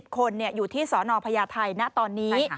๑๕คนอยู่ที่สภไทยณตอนนี้